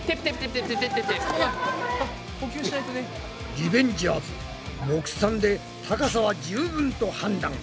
リベンジャーズ目算で高さは十分と判断。